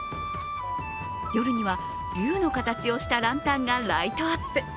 夜には龍の形をしたランタンがライトアップ。